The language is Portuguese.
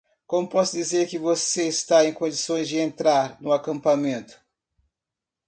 Como posso dizer que você está em condições de entrar no acampamento?